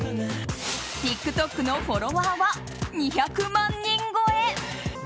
ＴｉｋＴｏｋのフォロワーは２００万人超え。